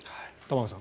玉川さん